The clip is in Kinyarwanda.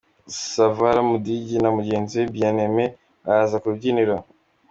Savara Mudigi na mugenzi we Bien-Aimé Baraza ku rubyiniro.